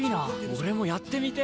俺もやってみてえ！